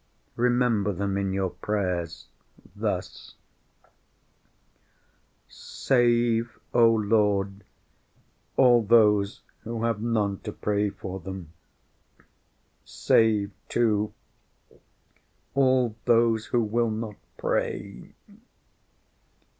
Remember them in your prayers thus: Save, O Lord, all those who have none to pray for them, save too all those who will not pray.